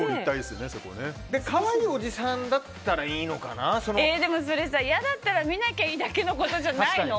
可愛いおじさんだったらそれは嫌だったら見なきゃいいだけのことじゃないの？